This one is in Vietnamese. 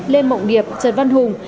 lê mộng điệp trần văn hùng